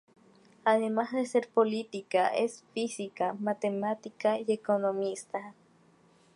Además de ser política, es física, matemática y economista.